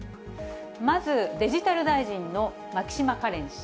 まずデジタル大臣の牧島かれん氏。